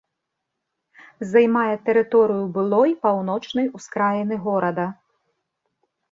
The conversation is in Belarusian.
Займае тэрыторыю былой паўночнай ускраіны горада.